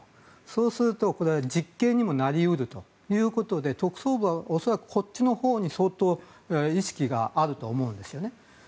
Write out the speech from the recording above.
そうすると、これは実刑になり得るということで特捜部は恐らく、こっちのほうに意識があると思うんですね。